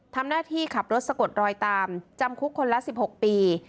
ทำหน้าที่ขับรถสะกดรอยตามจำคุกคนละ๑๖ปี